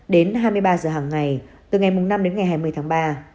đến hai mươi ba giờ hàng ngày từ ngày năm đến ngày hai mươi tháng ba